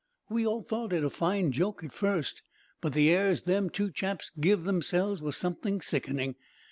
"We all thought it a fine joke at first, but the airs them two chaps give themselves was something sickening.